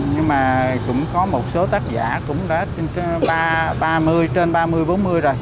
nhưng mà cũng có một số tác giả cũng đã trên ba mươi trên ba mươi bốn mươi rồi